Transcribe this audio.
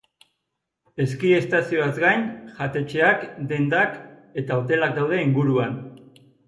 Eski-estazioaz gain, jatetxeak, dendak eta hotelak daude inguruan.